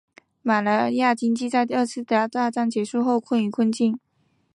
马来亚经济在二次大战结束后陷于困境。